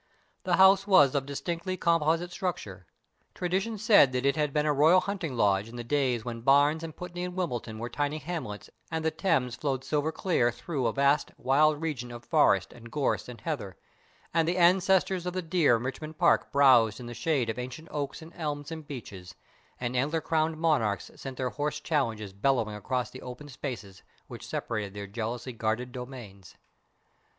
The house was of distinctly composite structure. Tradition said that it had been a royal hunting lodge in the days when Barnes and Putney and Wimbledon were tiny hamlets and the Thames flowed silver clear through a vast, wild region of forest and gorse and heather, and the ancestors of the deer in Richmond Park browsed in the shade of ancient oaks and elms and beeches, and antler crowned monarchs sent their hoarse challenges bellowing across the open spaces which separated their jealously guarded domains.